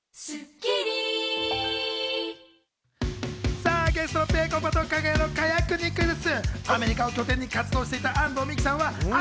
さあ、ゲストのぺこぱと、かが屋の賀屋くんにクイズッス！